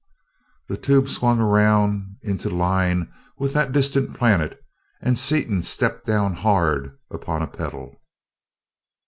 The tube swung around into line with that distant planet and Seaton stepped down hard, upon a pedal.